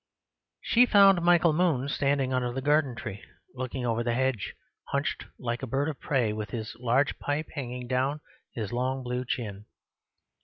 She found Michael Moon standing under the garden tree, looking over the hedge; hunched like a bird of prey, with his large pipe hanging down his long blue chin.